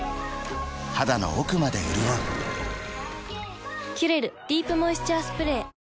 肌の奥まで潤う「キュレルディープモイスチャースプレー」